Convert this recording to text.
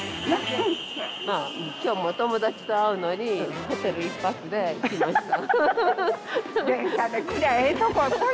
まあ今日もお友達と会うのにホテル１泊で来ました。